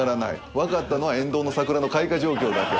わかったのは沿道の桜の開花状況だけ。